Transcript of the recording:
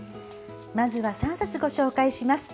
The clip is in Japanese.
まずは３冊ご紹介します。